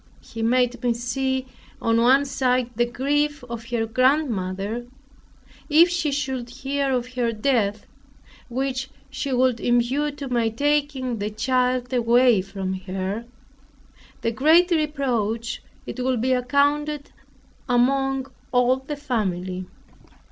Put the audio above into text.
He made me see, on one side the grief of her grandmother, if she should hear of her death, which she would impute to my taking the child away from her; the great reproach, it would be accounted among all the family.